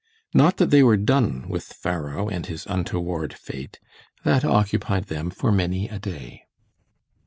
Not that they were done with Pharaoh and his untoward fate; that occupied them for many a day.